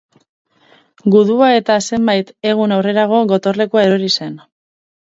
Gudua eta zenbait egun aurrerago, gotorlekua erori zen.